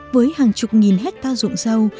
với hàng chục nghìn hectare dụng dâu